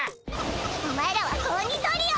お前らは子鬼トリオ！